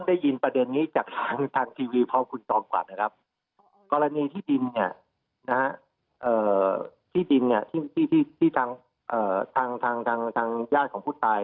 ที่ดินเนี้ยที่ที่ที่ที่ทางเอ่อทางทางทางทางทางญาติของผู้ตาย